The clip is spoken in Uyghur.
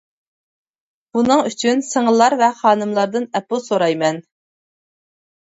بۇنىڭ ئۈچۈن سىڭىللار ۋە خانىملاردىن ئەپۇ سورايمەن.